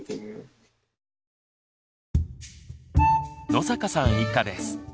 野坂さん一家です。